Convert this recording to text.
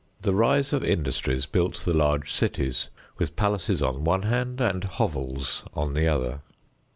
The rise of industries built the large cities, with palaces on one hand and hovels on the other.